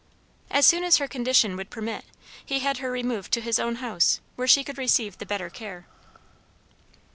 As soon as her condition would permit, he had her removed to his own house, where she could receive the better care.